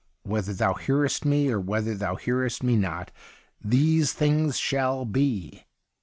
Whether Thou hearest me or whether Thou hearest me not, these things shall be.